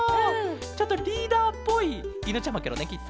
ちょっとリーダーっぽいいぬちゃまケロねきっと。